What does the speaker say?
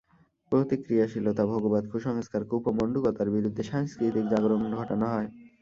প্রতিক্রিয়াশীলতা, ভোগবাদ, কুসংস্কার, কূপমণ্ডূকতার বিরুদ্ধে সাংস্কৃতিক জাগরণ ঘটানো হয়।